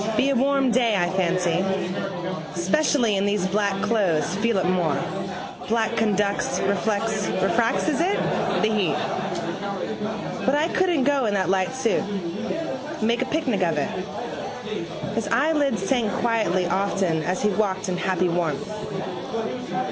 Be a warm day I fancy. Specially in these black clothes feel it more. Black conducts, reflects, (refracts is it?), the heat. But I couldn't go in that light suit. Make a picnic of it. His eyelids sank quietly often as he walked in happy warmth.